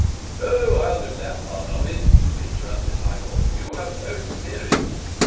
'O, I'll do that part of it,' interrupted Michael, 'you have no experience.